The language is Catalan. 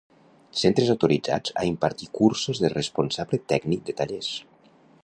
Centres autoritzats a impartir cursos de responsable tècnic de tallers.